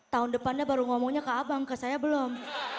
tahun depannya baru ngomongnya ke abang ke saya belum